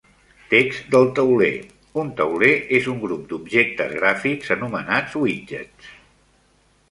Text del tauler: un tauler és un grup d'objectes gràfics anomenats widgets.